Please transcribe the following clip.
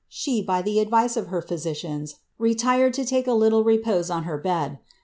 329 she, by the advice of her phyiicians, retired to take a little re|K>8e on her bed.